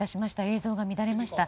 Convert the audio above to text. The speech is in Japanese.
映像が乱れました。